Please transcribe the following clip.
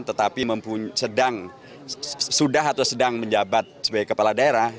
tetapi sedang sudah atau sedang menjabat sebagai kepala daerah